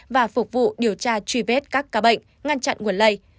và phục vụ điều tra truy vết các ca bệnh ngăn chặn nguồn lây